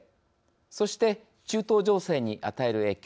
そして、中東情勢に与える影響。